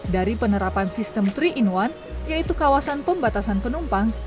dari penerapan sistem tiga in satu yaitu kawasan pembatasan penumpang